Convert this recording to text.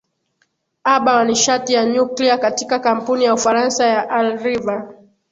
aba wa nishati ya nuclear katika kampuni ya ufaransa ya al riva